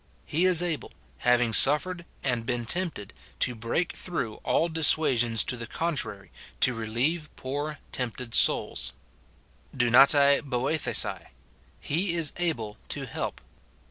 He is able, having suffered and been tempted, to break through all dissuasions to the contrary, to relieve poor tempted souls : (JuvaToti /^orj^^cai, —" He is able to help."